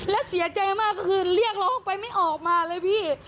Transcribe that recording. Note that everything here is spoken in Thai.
และเสียใจมากก็คือเรียกร้องไปไม่ออกมาเลยพี่